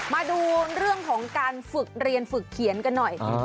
มาดูเรื่องของการฝึกเรียนฝึกเขียนกันหน่อย